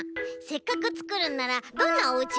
せっかくつくるんならどんなおうちがいい？